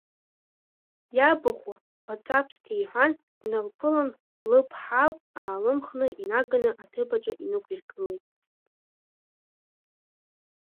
Иабахәа, баҵаԥстеи, — иҳәан дналԥылан, лыԥҳал аалымхны инаганы аҭыԥаҿы инықәиргылеит.